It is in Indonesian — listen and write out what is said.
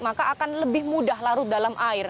maka akan lebih mudah larut dalam air